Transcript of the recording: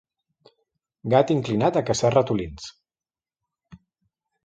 Gat inclinat a caçar ratolins.